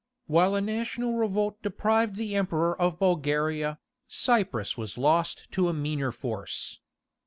While a national revolt deprived the Emperor of Bulgaria, Cyprus was lost to a meaner force.